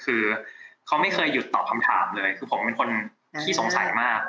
คือเขาไม่เคยหยุดตอบคำถามเลยคือผมเป็นคนขี้สงสัยมาก